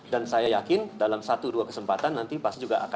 dan saya yakin dalam satu dua kesempatan nanti pasti juga terjalin